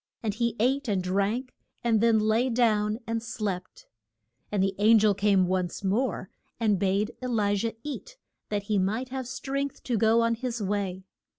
And he ate and drank, and then lay down and slept. And the an gel came once more, and bade E li jah eat, that he might have strength to go on his way.